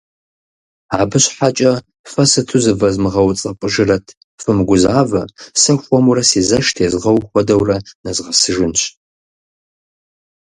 Абы щхьэкӀэ фэ сыту зывэзмыгъэуцӀэпӀыжрэт, фымыгузавэ, сэ хуэмурэ, си зэш тезгъэу хуэдэурэ, нэзгъэсыжынщ.